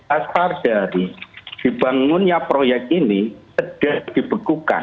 asal dari dibangunnya proyek ini sedang dibekukan